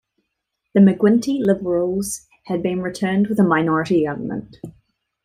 The McGuinty Liberals had been returned with a minority Government.